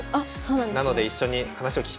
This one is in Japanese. なので一緒に話を聞きたいと思います。